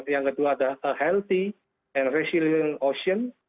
yang kedua adalah a healthy and resilient ocean